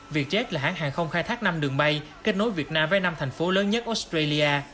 vietjet là hãng hàng không khai thác năm đường bay kết nối việt nam với năm thành phố lớn nhất australia